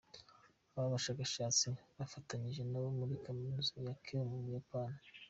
ba bashakashatsi bafatanyije n’abo muri Kaminuza ya Keio mu Buyapani.